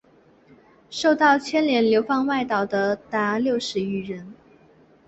受到牵连流放外岛的达六十余人。